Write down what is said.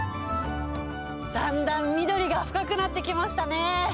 だんだん緑が深くなってきましたね。